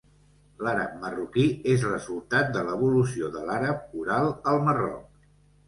L'àrab marroquí és resultat de l'evolució de l'àrab oral al Marroc.